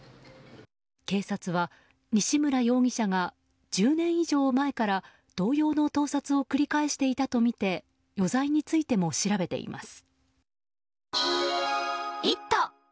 警察は西村容疑者が１０年以上前から同様の盗撮を繰り返していたとみて余罪についても調べています。